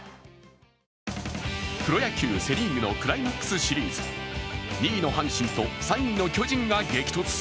プロ野球・セ・リーグのクライマックスシリーズ。２位の阪神と３位の巨人が激突。